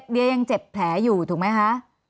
เดียยังเจ็บแผลอยู่ถูกไหมคะ